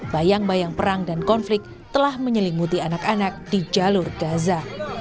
bayang bayang perang dan konflik telah menyelimuti anak anak di jalur gaza